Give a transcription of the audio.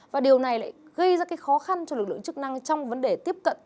và điều này lại gây ra cái khó khăn cho lực lượng chức năng trong vấn đề tiếp cận